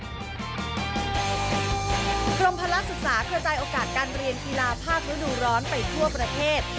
กรมพลัทธ์ศึกษาเข้าใจโอกาสการเรียนกีฬาภาพฤดูร้อนไปทั่วประเทศ